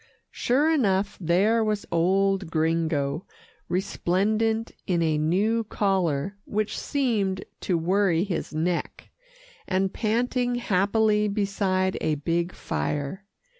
Sure enough, there was old Gringo, resplendent in a new collar which seemed to worry his neck, and panting happily beside a big fire.